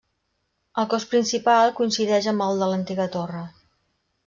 El cos principal coincideix amb el de l'antiga torre.